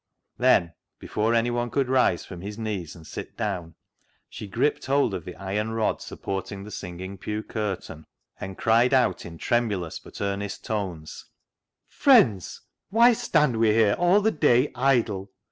" Then, before anyone could rise from his knees and sit down, she gripped hold of the iron rod supporting the singing pew curtain, and cried out in tremulous but earnest tones —" Friends, why stand we here all the day idle